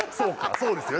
そうですよね